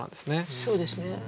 そうですね。